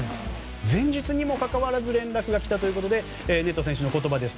前日にもかかわらず連絡がきたということでネト選手の言葉です。